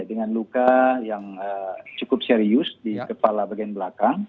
dengan luka yang cukup serius di kepala bagian belakang